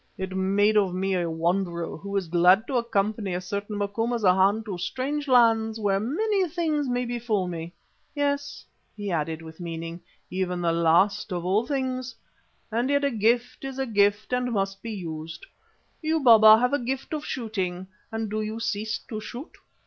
It made of me a wanderer who is glad to accompany a certain Macumazana to strange lands where many things may befall me, yes," he added with meaning, "even the last of all things. And yet a gift is a gift and must be used. You, Baba, have a gift of shooting and do you cease to shoot?